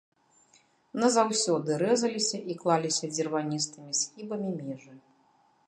Назаўсёды рэзаліся і клаліся дзірваністымі скібамі межы.